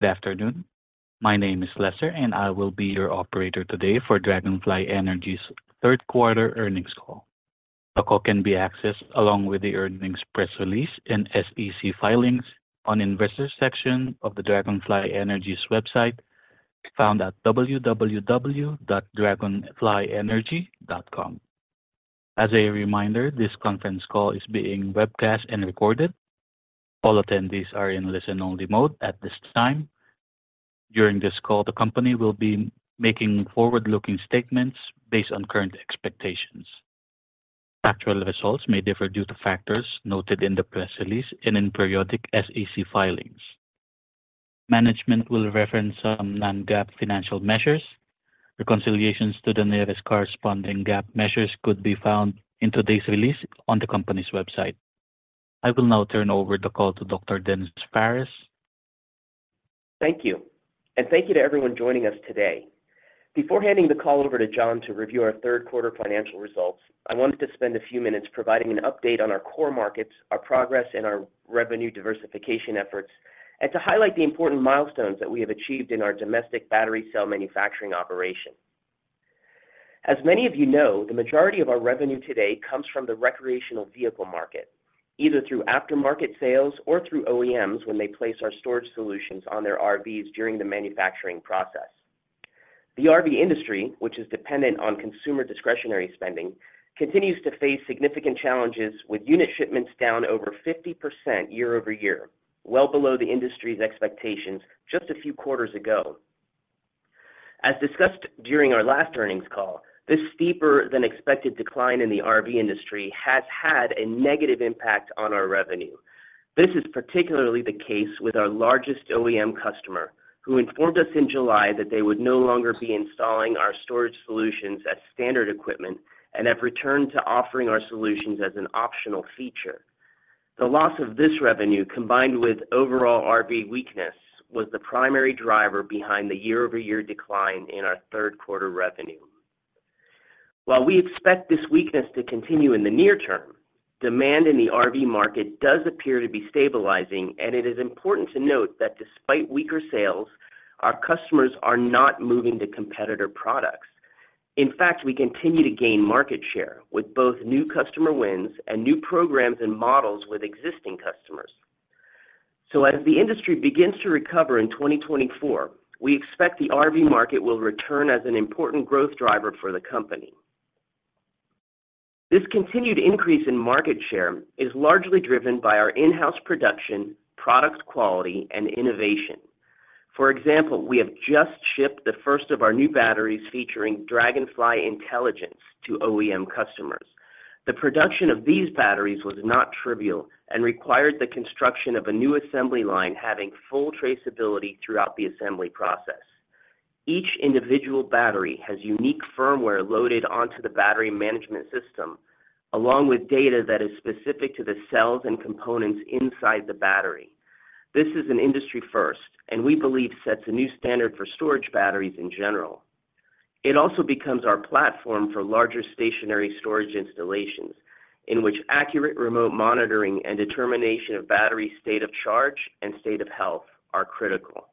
Good afternoon. My name is Lester, and I will be your operator today for Dragonfly Energy's third quarter Earnings Call. The call can be accessed along with the earnings press release and SEC filings on the investor section of the Dragonfly Energy's website, found at www.dragonflyenergy.com. As a reminder, this conference call is being webcast and recorded. All attendees are in listen-only mode at this time. During this call, the company will be making forward-looking statements based on current expectations. Actual results may differ due to factors noted in the press release and in periodic SEC filings. Management will reference some non-GAAP financial measures. Reconciliations to the nearest corresponding GAAP measures could be found in today's release on the company's website. I will now turn over the call to Dr. Denis Phares. Thank you, and thank you to everyone joining us today. Before handing the call over to John to review our third quarter financial results, I wanted to spend a few minutes providing an update on our core markets, our progress, and our revenue diversification efforts, and to highlight the important milestones that we have achieved in our domestic battery cell manufacturing operation. As many of you know, the majority of our revenue today comes from the recreational vehicle market, either through aftermarket sales or through OEMs when they place our storage solutions on their RVs during the manufacturing process. The RV industry, which is dependent on consumer discretionary spending, continues to face significant challenges, with unit shipments down over 50% year-over-year, well below the industry's expectations just a few quarters ago. As discussed during our last earnings call, this steeper-than-expected decline in the RV industry has had a negative impact on our revenue. This is particularly the case with our largest OEM customer, who informed us in July that they would no longer be installing our storage solutions as standard equipment and have returned to offering our solutions as an optional feature. The loss of this revenue, combined with overall RV weakness, was the primary driver behind the year-over-year decline in our third quarter revenue. While we expect this weakness to continue in the near term, demand in the RV market does appear to be stabilizing, and it is important to note that despite weaker sales, our customers are not moving to competitor products. In fact, we continue to gain market share with both new customer wins and new programs and models with existing customers. So as the industry begins to recover in 2024, we expect the RV market will return as an important growth driver for the company. This continued increase in market share is largely driven by our in-house production, product quality, and innovation. For example, we have just shipped the first of our new batteries featuring Dragonfly Intelligence to OEM customers. The production of these batteries was not trivial and required the construction of a new assembly line having full traceability throughout the assembly process. Each individual battery has unique firmware loaded onto the battery management system, along with data that is specific to the cells and components inside the battery. This is an industry first, and we believe sets a new standard for storage batteries in general. It also becomes our platform for larger stationary storage installations, in which accurate remote monitoring and determination of battery state of charge and state of health are critical.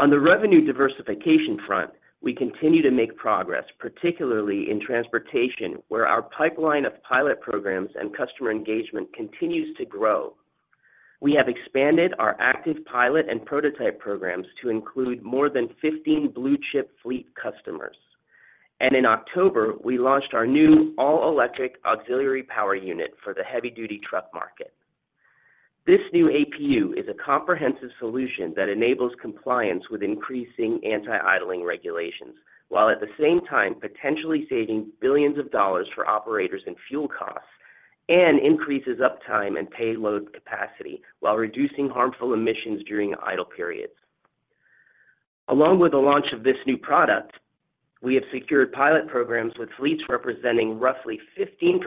On the revenue diversification front, we continue to make progress, particularly in transportation, where our pipeline of pilot programs and customer engagement continues to grow. We have expanded our active pilot and prototype programs to include more than 15 blue-chip fleet customers. In October, we launched our new all-electric auxiliary power unit for the heavy-duty truck market. This new APU is a comprehensive solution that enables compliance with increasing anti-idling regulations, while at the same time potentially saving $ billions for operators in fuel costs and increases uptime and payload capacity while reducing harmful emissions during idle periods. Along with the launch of this new product, we have secured pilot programs with fleets representing roughly 15%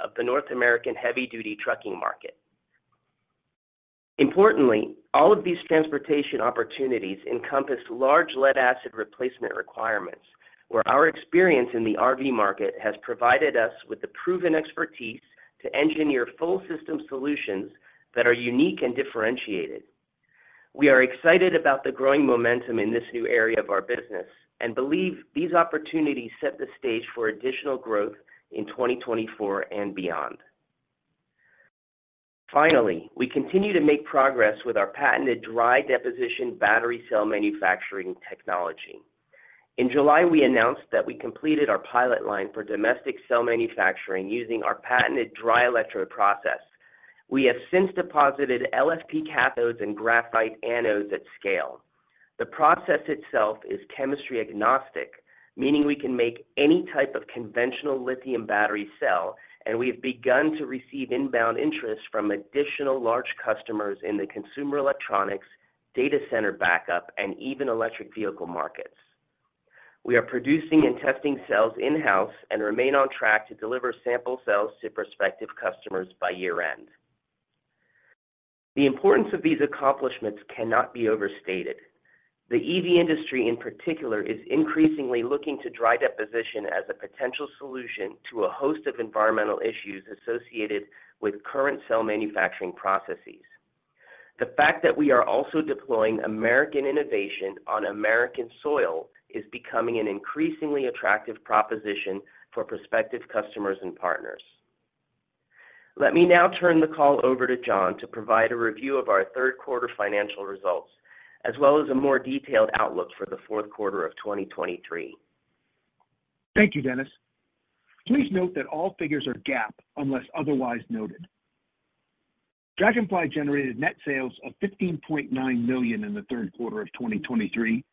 of the North American heavy-duty trucking market. Importantly, all of these transportation opportunities encompass large lead-acid replacement requirements, where our experience in the RV market has provided us with the proven expertise to engineer full system solutions that are unique and differentiated. We are excited about the growing momentum in this new area of our business and believe these opportunities set the stage for additional growth in 2024 and beyond. Finally, we continue to make progress with our patented dry deposition battery cell manufacturing technology. In July, we announced that we completed our pilot line for domestic cell manufacturing using our patented dry electrode process. We have since deposited LFP cathodes and graphite anodes at scale. The process itself is chemistry agnostic, meaning we can make any type of conventional lithium battery cell, and we've begun to receive inbound interest from additional large customers in the consumer electronics, data center backup, and even electric vehicle markets. We are producing and testing cells in-house and remain on track to deliver sample cells to prospective customers by year-end. The importance of these accomplishments cannot be overstated…. The EV industry in particular is increasingly looking to dry deposition as a potential solution to a host of environmental issues associated with current cell manufacturing processes. The fact that we are also deploying American innovation on American soil is becoming an increasingly attractive proposition for prospective customers and partners. Let me now turn the call over to John to provide a review of our third quarter financial results, as well as a more detailed outlook for the fourth quarter of 2023. Thank you, Denis. Please note that all figures are GAAP, unless otherwise noted. Dragonfly generated net sales of $15.9 million in the third quarter of 2023,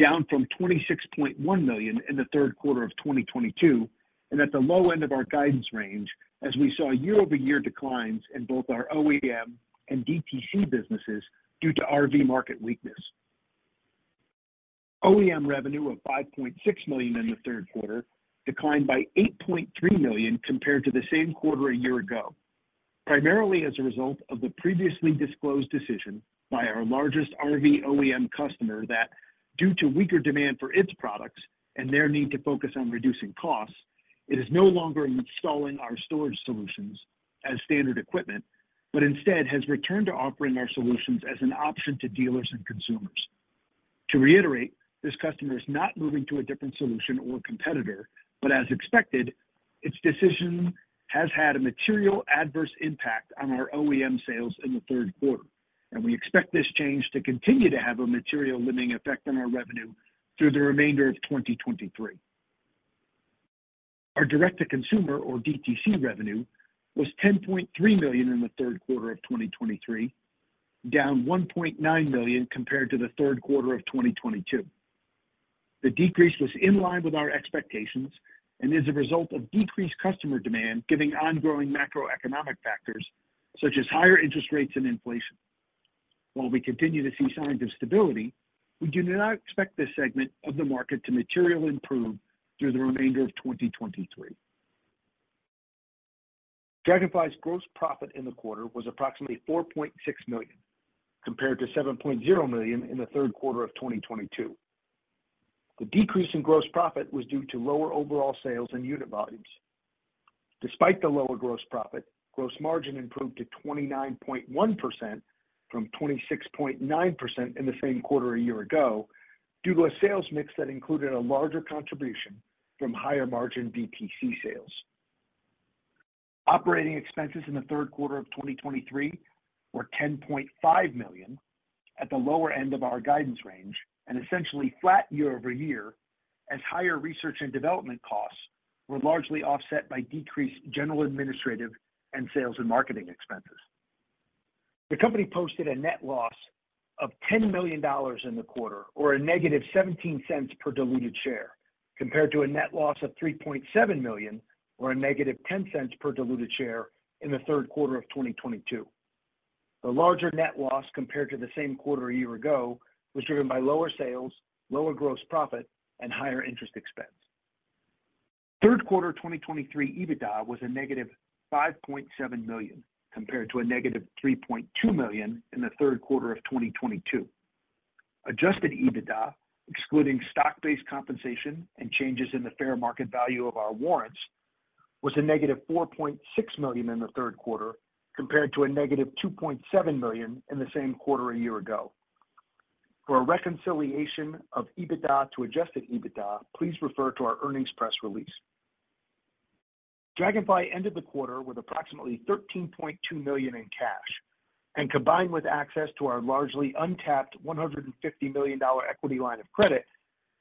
down from $26.1 million in the third quarter of 2022, and at the low end of our guidance range, as we saw year-over-year declines in both our OEM and DTC businesses due to RV market weakness. OEM revenue of $5.6 million in the third quarter declined by $8.3 million compared to the same quarter a year ago, primarily as a result of the previously disclosed decision by our largest RV OEM customer that, due to weaker demand for its products and their need to focus on reducing costs, it is no longer installing our storage solutions as standard equipment, but instead has returned to offering our solutions as an option to dealers and consumers. To reiterate, this customer is not moving to a different solution or competitor, but as expected, its decision has had a material adverse impact on our OEM sales in the third quarter, and we expect this change to continue to have a material limiting effect on our revenue through the remainder of 2023. Our direct-to-consumer, or DTC, revenue was $10.3 million in the third quarter of 2023, down $1.9 million compared to the third quarter of 2022. The decrease was in line with our expectations and is a result of decreased customer demand, given ongoing macroeconomic factors such as higher interest rates and inflation. While we continue to see signs of stability, we do not expect this segment of the market to materially improve through the remainder of 2023. Dragonfly's gross profit in the quarter was approximately $4.6 million, compared to $7.0 million in the third quarter of 2022. The decrease in gross profit was due to lower overall sales and unit volumes. Despite the lower gross profit, gross margin improved to 29.1% from 26.9% in the same quarter a year ago, due to a sales mix that included a larger contribution from higher-margin DTC sales. Operating expenses in the third quarter of 2023 were $10.5 million at the lower end of our guidance range and essentially flat year-over-year, as higher research and development costs were largely offset by decreased general, administrative, and sales and marketing expenses. The company posted a net loss of $10 million in the quarter, or -$0.17 per diluted share, compared to a net loss of $3.7 million, or -$0.10 per diluted share in the third quarter of 2022. The larger net loss compared to the same quarter a year ago was driven by lower sales, lower gross profit, and higher interest expense. Third quarter 2023 EBITDA was -$5.7 million, compared to -$3.2 million in the third quarter of 2022. Adjusted EBITDA, excluding stock-based compensation and changes in the fair market value of our warrants, was -$4.6 million in the third quarter, compared to -$2.7 million in the same quarter a year ago. For a reconciliation of EBITDA to adjusted EBITDA, please refer to our earnings press release. Dragonfly ended the quarter with approximately $13.2 million in cash, and combined with access to our largely untapped $150 million equity line of credit,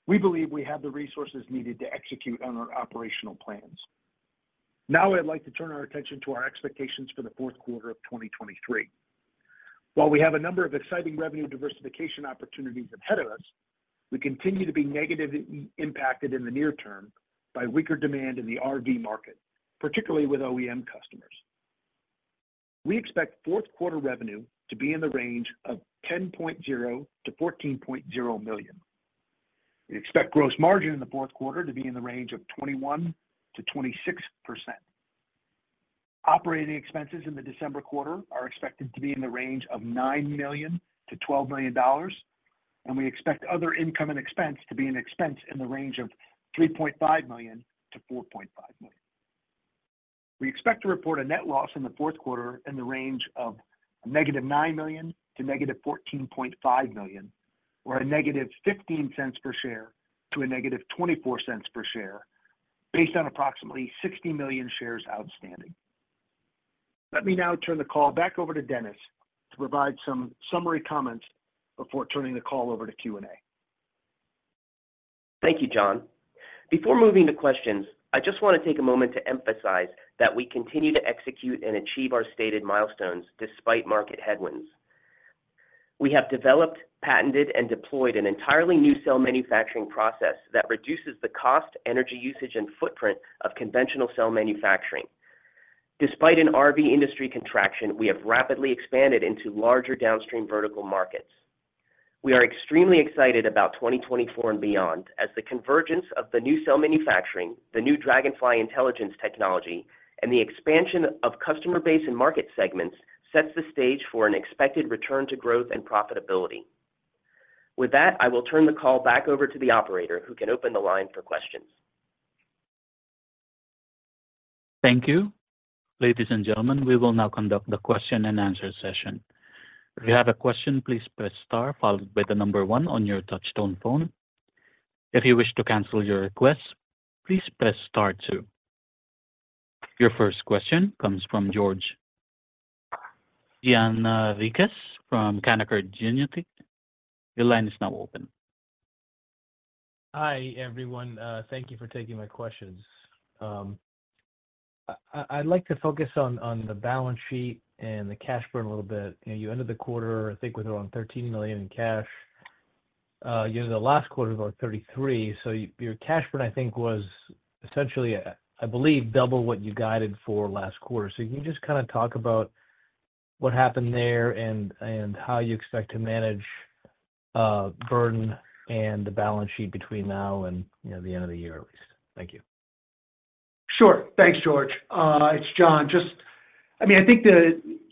we believe we have the resources needed to execute on our operational plans. Now, I'd like to turn our attention to our expectations for the fourth quarter of 2023. While we have a number of exciting revenue diversification opportunities ahead of us, we continue to be negatively impacted in the near term by weaker demand in the RV market, particularly with OEM customers. We expect fourth quarter revenue to be in the range of $10.0 million-$14.0 million. We expect gross margin in the fourth quarter to be in the range of 21%-26%. Operating expenses in the December quarter are expected to be in the range of $9 million-$12 million, and we expect other income and expense to be an expense in the range of $3.5 million-$4.5 million. We expect to report a net loss in the fourth quarter in the range of -$9 million to -$14.5 million, or -$0.15 per share to -$0.24 per share, based on approximately 60 million shares outstanding. Let me now turn the call back over to Denis to provide some summary comments before turning the call over to Q&A. Thank you, John. Before moving to questions, I just want to take a moment to emphasize that we continue to execute and achieve our stated milestones despite market headwinds. We have developed, patented, and deployed an entirely new cell manufacturing process that reduces the cost, energy usage, and footprint of conventional cell manufacturing. Despite an RV industry contraction, we have rapidly expanded into larger downstream vertical markets. We are extremely excited about 2024 and beyond as the convergence of the new cell manufacturing, the new Dragonfly Intelligence technology, and the expansion of customer base and market segments sets the stage for an expected return to growth and profitability. With that, I will turn the call back over to the operator, who can open the line for questions. Thank you. Ladies and gentlemen, we will now conduct the question-and-answer session. If you have a question, please press star followed by the number one on your touchtone phone. If you wish to cancel your request, please press star two. Your first question comes from George Gianarikas from Canaccord Genuity. Your line is now open. Hi, everyone. Thank you for taking my questions. I'd like to focus on the balance sheet and the cash burn a little bit. You know, you ended the quarter, I think, with around $13 million in cash. You know, the last quarter was about $33 million, so your cash burn, I think, was essentially, I believe, double what you guided for last quarter. So can you just kind of talk about what happened there and how you expect to manage burden and the balance sheet between now and, you know, the end of the year at least? Thank you. Sure. Thanks, George. It's John. Just, I mean, I think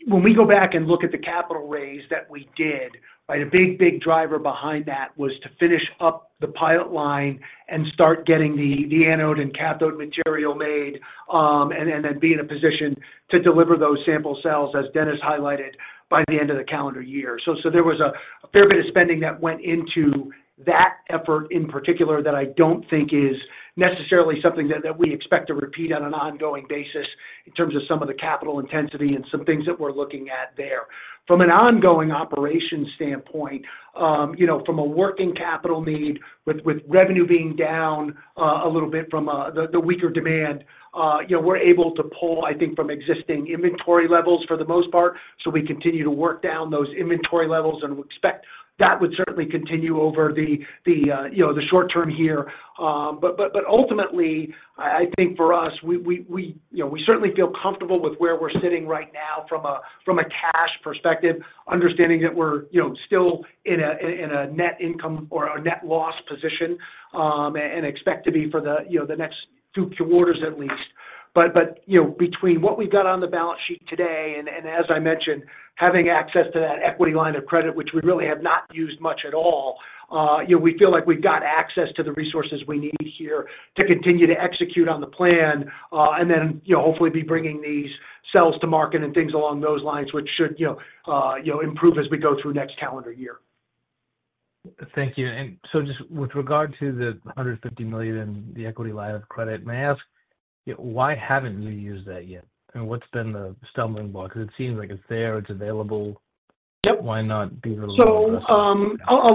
when we go back and look at the capital raise that we did, right, a big, big driver behind that was to finish up the pilot line and start getting the anode and cathode material made, and then be in a position to deliver those sample cells, as Denis highlighted, by the end of the calendar year. So, there was a fair bit of spending that went into that effort in particular, that I don't think is necessarily something that we expect to repeat on an ongoing basis in terms of some of the capital intensity and some things that we're looking at there. From an ongoing operations standpoint, you know, from a working capital need, with revenue being down a little bit from the weaker demand, you know, we're able to pull, I think, from existing inventory levels for the most part. So we continue to work down those inventory levels, and we expect that would certainly continue over the, you know, short term here. But ultimately, I think for us, we... You know, we certainly feel comfortable with where we're sitting right now from a cash perspective, understanding that we're, you know, still in a net income or a net loss position, and expect to be for the, you know, next two quarters at least. But, you know, between what we've got on the balance sheet today, and as I mentioned, having access to that equity line of credit, which we really have not used much at all, you know, we feel like we've got access to the resources we need here to continue to execute on the plan, and then, you know, hopefully be bringing these cells to market and things along those lines, which should, you know, improve as we go through next calendar year. Thank you. So just with regard to the $150 million in the equity line of credit, may I ask, why haven't you used that yet? And what's been the stumbling block? Because it seems like it's there, it's available. Yep. Why not be a little more aggressive? So, a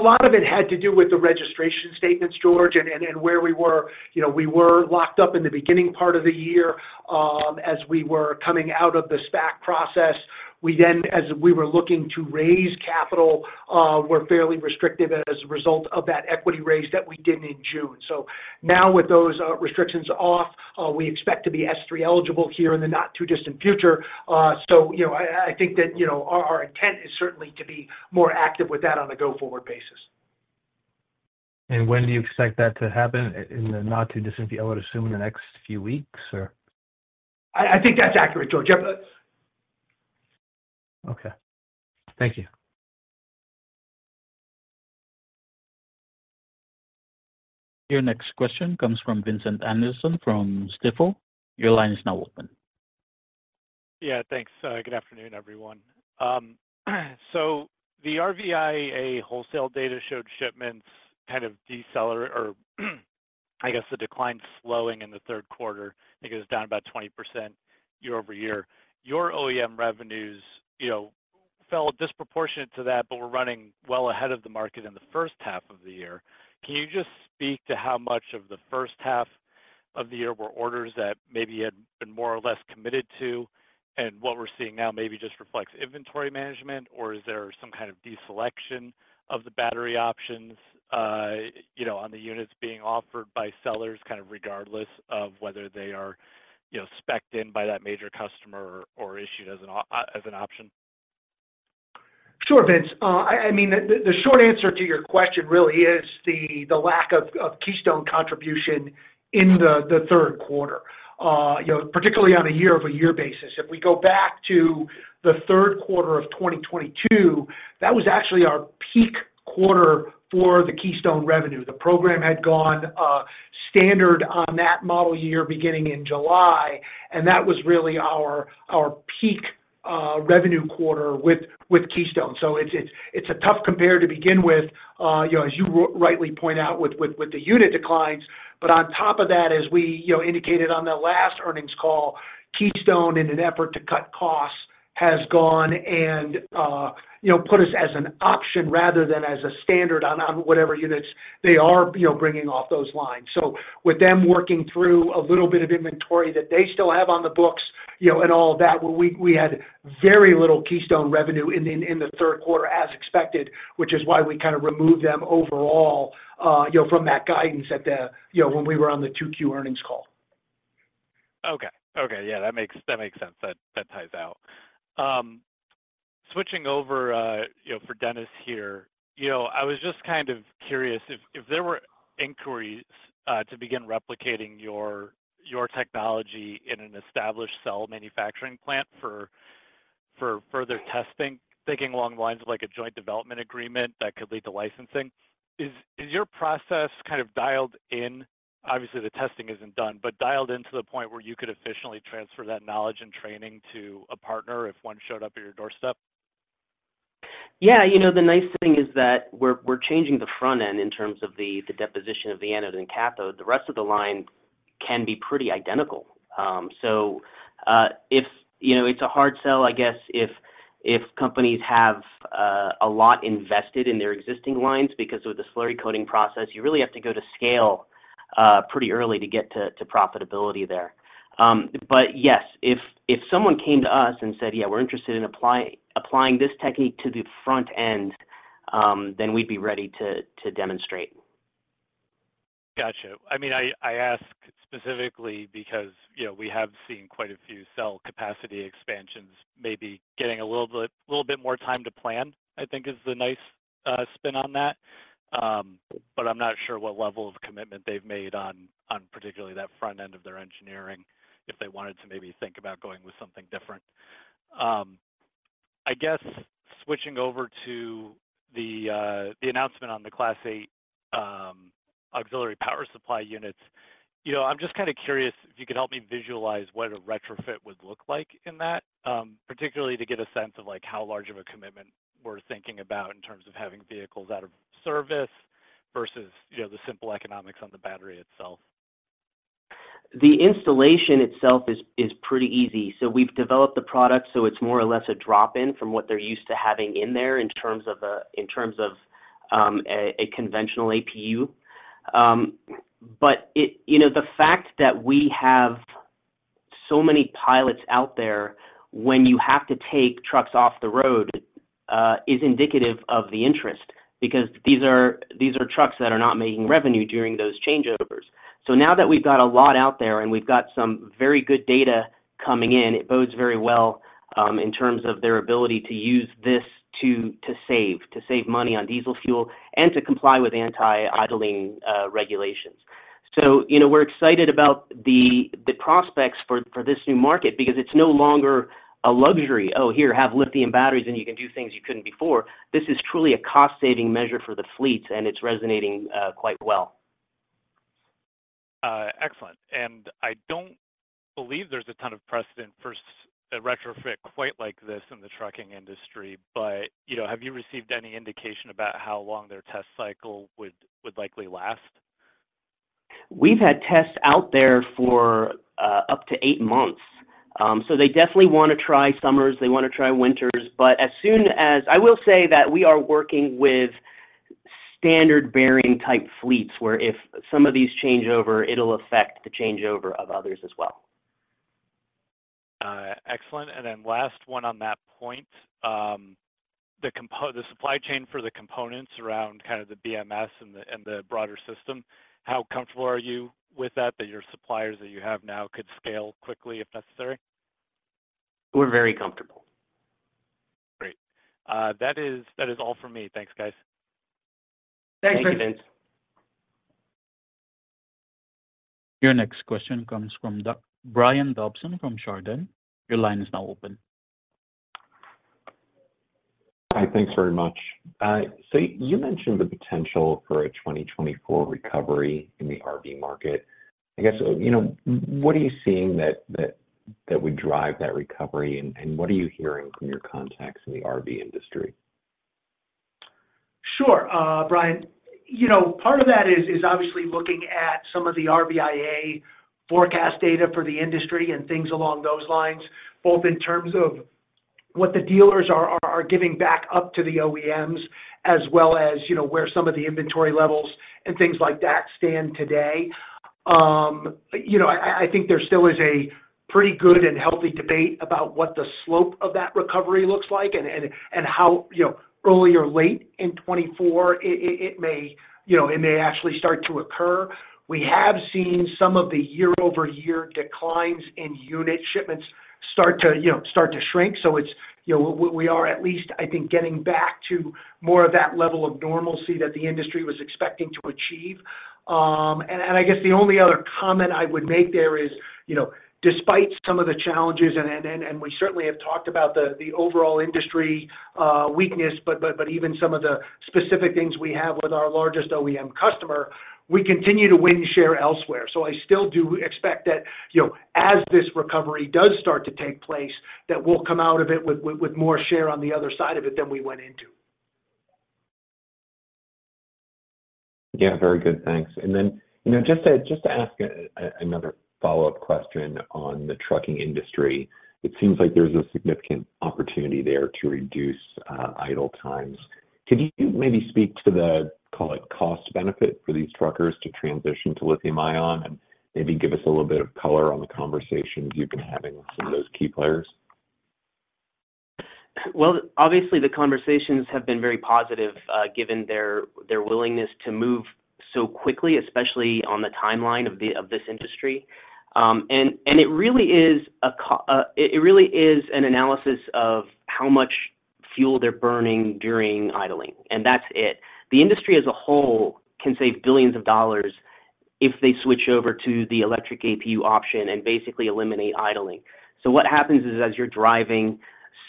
lot of it had to do with the registration statements, George, and where we were. You know, we were locked up in the beginning part of the year, as we were coming out of the SPAC process. We then, as we were looking to raise capital, were fairly restrictive as a result of that equity raise that we did in June. So now with those, restrictions off, we expect to be S-3 eligible here in the not too distant future. So, you know, I think that, you know, our intent is certainly to be more active with that on a go-forward basis. When do you expect that to happen, in the not-too-distant future? I would assume in the next few weeks, or...? I think that's accurate, George. Yep. Okay. Thank you. Your next question comes from Vincent Anderson from Stifel. Your line is now open. Yeah, thanks. Good afternoon, everyone. So the RVIA wholesale data showed shipments kind of or, I guess, the decline slowing in the third quarter. I think it was down about 20% year-over-year. Your OEM revenues, you know, fell disproportionate to that, but were running well ahead of the market in the first half of the year. Can you just speak to how much of the first half of the year were orders that maybe had been more or less committed to, and what we're seeing now maybe just reflects inventory management, or is there some kind of deselection of the battery options, you know, on the units being offered by sellers, kind of, regardless of whether they are, you know, specced in by that major customer or issued as an option? Sure, Vince. I mean, the short answer to your question really is the lack of Keystone contribution in the third quarter. You know, particularly on a year-over-year basis. If we go back to the third quarter of 2022, that was actually our peak quarter for the Keystone revenue. The program had gone standard on that model year beginning in July, and that was really our peak revenue quarter with Keystone. So it's a tough compare to begin with, you know, as you rightly point out with the unit declines. But on top of that, as we, you know, indicated on the last earnings call, Keystone, in an effort to cut costs, has gone and, you know, put us as an option rather than as a standard on, on whatever units they are, you know, bringing off those lines. So with them working through a little bit of inventory that they still have on the books, you know, and all of that, we, we had very little Keystone revenue in the, in the third quarter as expected, which is why we kind of removed them overall, you know, from that guidance at the... you know, when we were on the two Q earnings call. Okay. Okay. Yeah, that makes, that makes sense. That, that ties out. Switching over, you know, for Denis here. You know, I was just kind of curious if there were inquiries to begin replicating your technology in an established cell manufacturing plant for further testing, thinking along the lines of, like, a joint development agreement that could lead to licensing. Is your process kind of dialed in? Obviously, the testing isn't done, but dialed in to the point where you could efficiently transfer that knowledge and training to a partner if one showed up at your doorstep? Yeah, you know, the nice thing is that we're changing the front end in terms of the deposition of the anode and cathode. The rest of the line can be pretty identical. So, if you know, it's a hard sell, I guess, if companies have a lot invested in their existing lines, because with the slurry coating process, you really have to go to scale pretty early to get to profitability there. But yes, if someone came to us and said, "Yeah, we're interested in applying this technique to the front end," then we'd be ready to demonstrate. Gotcha. I mean, I ask specifically because, you know, we have seen quite a few cell capacity expansions, maybe getting a little bit, little bit more time to plan, I think is the nice spin on that. But I'm not sure what level of commitment they've made on particularly that front end of their engineering, if they wanted to maybe think about going with something different. I guess switching over to the announcement on the Class 8 Auxiliary Power Supply Units, you know, I'm just kind of curious if you could help me visualize what a retrofit would look like in that particularly to get a sense of, like, how large of a commitment we're thinking about in terms of having vehicles out of service versus, you know, the simple economics on the battery itself. The installation itself is pretty easy. So we've developed the product, so it's more or less a drop-in from what they're used to having in there in terms of a conventional APU. But it... You know, the fact that we have so many pilots out there when you have to take trucks off the road is indicative of the interest, because these are trucks that are not making revenue during those changeovers. So now that we've got a lot out there, and we've got some very good data coming in, it bodes very well in terms of their ability to use this to save money on diesel fuel and to comply with anti-idling regulations. So, you know, we're excited about the prospects for this new market because it's no longer a luxury. Oh, here, have lithium batteries, and you can do things you couldn't before." This is truly a cost-saving measure for the fleets, and it's resonating quite well. Excellent. I don't believe there's a ton of precedent for a retrofit quite like this in the trucking industry, but, you know, have you received any indication about how long their test cycle would likely last? We've had tests out there for up to eight months. So they definitely wanna try summers, they wanna try winters. But as soon as... I will say that we are working with standard bearing type fleets, where if some of these change over, it'll affect the changeover of others as well. Excellent. And then last one on that point. The supply chain for the components around kind of the BMS and the broader system, how comfortable are you with that, that your suppliers that you have now could scale quickly if necessary? We're very comfortable. Great. That is, that is all for me. Thanks, guys. Thanks, Vince. Thank you, Vince. Your next question comes from Brian Dobson from Chardan. Your line is now open. Hi, thanks very much. So you mentioned the potential for a 2024 recovery in the RV market. I guess, you know, what are you seeing that would drive that recovery, and what are you hearing from your contacts in the RV industry? Sure, Brian. You know, part of that is obviously looking at some of the RVIA forecast data for the industry and things along those lines, both in terms of what the dealers are giving back up to the OEMs, as well as, you know, where some of the inventory levels and things like that stand today. You know, I think there still is a pretty good and healthy debate about what the slope of that recovery looks like and how, you know, early or late in 2024, it may actually start to occur. We have seen some of the year-over-year declines in unit shipments start to, you know, start to shrink. So it's, you know, we are at least, I think, getting back to more of that level of normalcy that the industry was expecting to achieve. And I guess the only other comment I would make there is, you know, despite some of the challenges, and we certainly have talked about the overall industry weakness, but even some of the specific things we have with our largest OEM customer, we continue to win share elsewhere. So I still do expect that, you know, as this recovery does start to take place, that we'll come out of it with more share on the other side of it than we went into. Yeah, very good. Thanks. And then, you know, just to ask another follow-up question on the trucking industry, it seems like there's a significant opportunity there to reduce idle times. Could you maybe speak to the, call it, cost benefit for these truckers to transition to lithium ion, and maybe give us a little bit of color on the conversations you've been having with some of those key players? Well, obviously, the conversations have been very positive, given their willingness to move so quickly, especially on the timeline of this industry. It really is an analysis of how much fuel they're burning during idling, and that's it. The industry as a whole can save billions of dollars if they switch over to the electric APU option and basically eliminate idling. So what happens is, as you're driving,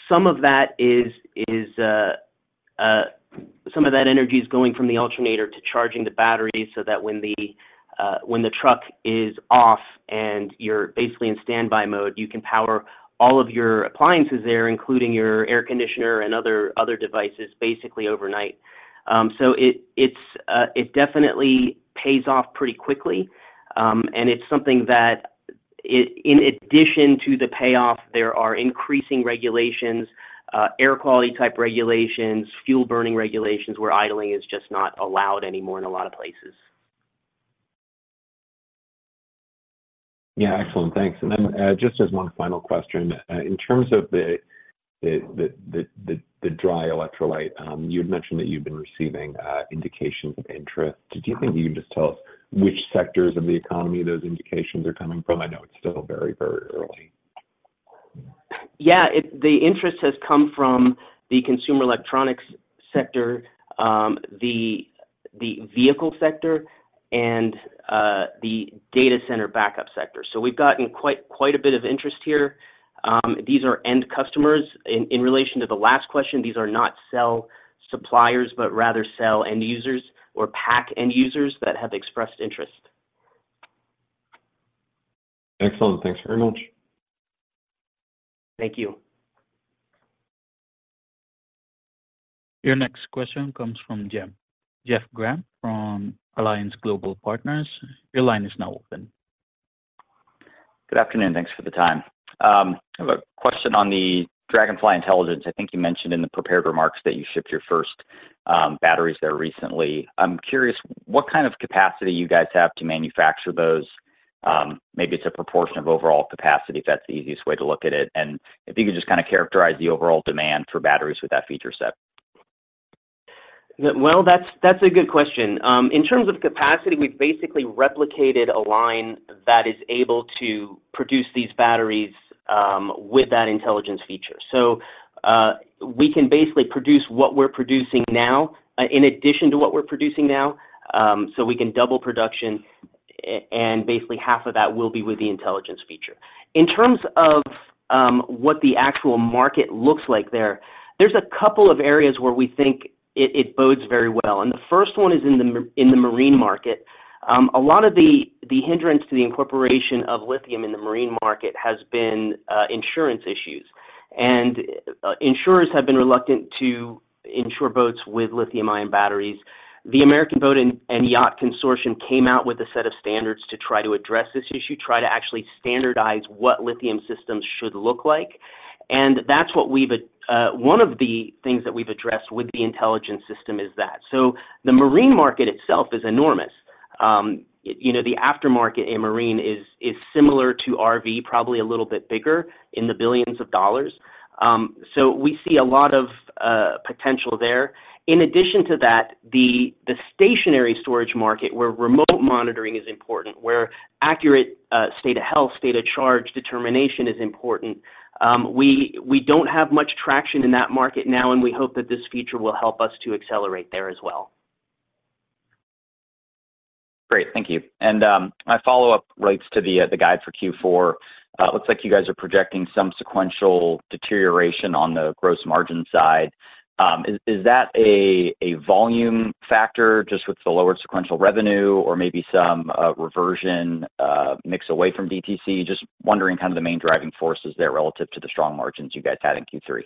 some of that energy is going from the alternator to charging the battery, so that when the truck is off and you're basically in standby mode, you can power all of your appliances there, including your air conditioner and other devices, basically overnight. So it definitely pays off pretty quickly, and it's something that in addition to the payoff, there are increasing regulations, air quality type regulations, fuel burning regulations, where idling is just not allowed anymore in a lot of places. Yeah, excellent. Thanks. And then, just as one final question, in terms of the dry electrode, you had mentioned that you've been receiving indications of interest. Do you think you can just tell us which sectors of the economy those indications are coming from? I know it's still very, very early. Yeah, the interest has come from the consumer electronics sector, the vehicle sector and the data center backup sector. So we've gotten quite a bit of interest here. These are end customers. In relation to the last question, these are not cell suppliers, but rather cell end users or pack end users that have expressed interest. Excellent. Thanks very much. Thank you. Your next question comes from Jeff. Jeff Grampp from Alliance Global Partners. Your line is now open. Good afternoon. Thanks for the time. I have a question on the Dragonfly Intelligence. I think you mentioned in the prepared remarks that you shipped your first batteries there recently. I'm curious, what kind of capacity you guys have to manufacture those? Maybe it's a proportion of overall capacity, if that's the easiest way to look at it, and if you could just kinda characterize the overall demand for batteries with that feature set. Well, that's a good question. In terms of capacity, we've basically replicated a line that is able to produce these batteries with that intelligence feature. So, we can basically produce what we're producing now in addition to what we're producing now. So, we can double production, and basically half of that will be with the intelligence feature. In terms of what the actual market looks like there, there's a couple of areas where we think it bodes very well, and the first one is in the marine market. A lot of the hindrance to the incorporation of lithium in the marine market has been insurance issues, and insurers have been reluctant to insure boats with lithium-ion batteries. The American Boat and Yacht Council came out with a set of standards to try to address this issue, try to actually standardize what lithium systems should look like, and that's what we've one of the things that we've addressed with the intelligence system is that. So the marine market itself is enormous. You know, the aftermarket in marine is similar to RV, probably a little bit bigger, in the billions of dollars. So we see a lot of potential there. In addition to that, the stationary storage market, where remote monitoring is important, where accurate state of health, state of charge determination is important. We don't have much traction in that market now, and we hope that this feature will help us to accelerate there as well. Great, thank you. My follow-up relates to the guide for Q4. Looks like you guys are projecting some sequential deterioration on the gross margin side. Is that a volume factor, just with the lower sequential revenue or maybe some reversion mix away from DTC? Just wondering kind of the main driving forces there relative to the strong margins you guys had in Q3.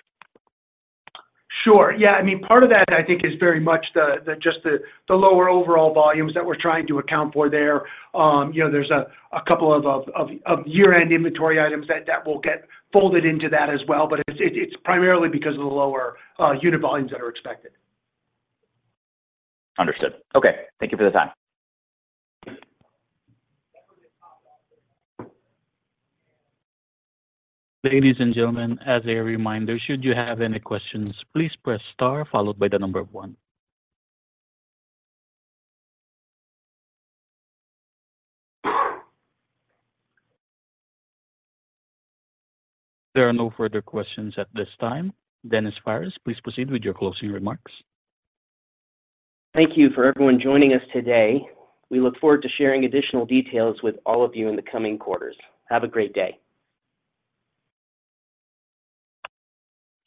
Sure. Yeah, I mean, part of that, I think, is very much just the lower overall volumes that we're trying to account for there. You know, there's a couple of year-end inventory items that will get folded into that as well, but it's primarily because of the lower unit volumes that are expected. Understood. Okay. Thank you for the time. Ladies and gentlemen, as a reminder, should you have any questions, please press Star followed by the number one. There are no further questions at this time. Denis Phares, please proceed with your closing remarks. Thank you for everyone joining us today. We look forward to sharing additional details with all of you in the coming quarters. Have a great day.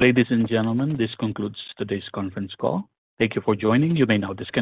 Ladies and gentlemen, this concludes today's conference call. Thank you for joining. You may now disconnect.